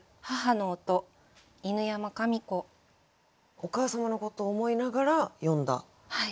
お母様のことを思いながら詠んだ歌ということで。